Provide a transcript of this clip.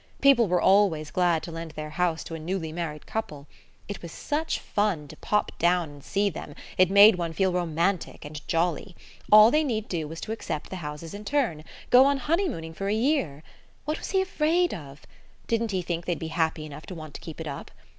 People were always glad to lend their house to a newly married couple. It was such fun to pop down and see them: it made one feel romantic and jolly. All they need do was to accept the houses in turn: go on honey mooning for a year! What was he afraid of? Didn't he think they'd be happy enough to want to keep it up?